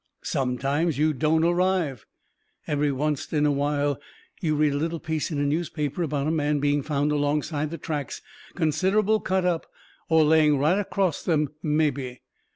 Sometimes you don't arrive. Every oncet in a while you read a little piece in a newspaper about a man being found alongside the tracks, considerable cut up, or laying right acrost them, mebby.